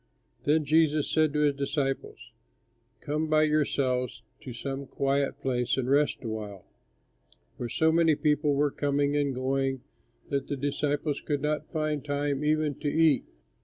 Then Jesus said to his disciples, "Come by yourselves to some quiet place and rest a while"; for so many people were coming and going that the disciples could not find time even to eat.